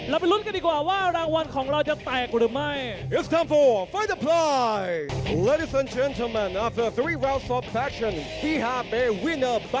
ไปลุ้นกันดีกว่าว่ารางวัลของเราจะแตกหรือไม่